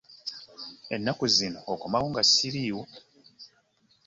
Ennaku zino okomawo nga siriiwo.